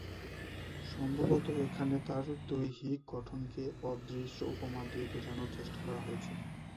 সম্ভবত এখানে তাঁর দৈহিক গঠনকে "অদৃশ্য" উপমা দিয়ে বোঝানোর চেষ্টা করা হয়েছে।